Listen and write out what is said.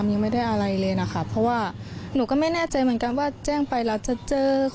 ที่กลุ่มข่าวเอาไปโพสต์